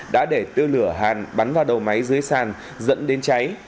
đã để tư lửa hàn bắn vào đầu máy dưới sàn dẫn đến cháy